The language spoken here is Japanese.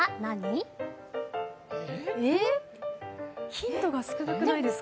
ヒントが少なくないですか？